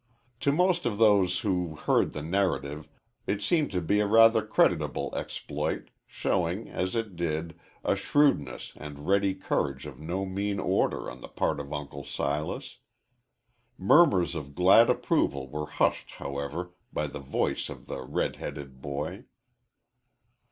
To most of those who heard the narrative it seemed to be a rather creditable exploit, showing, as it did, a shrewdness and ready courage of no mean order on the part of Uncle Silas. Murmurs of glad approval were hushed, however, by the voice of the red headed boy.